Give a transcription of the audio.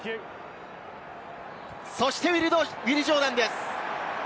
そして、ウィル・ジョーダンです。